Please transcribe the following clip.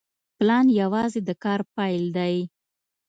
پلان یوازې د کار پیل دی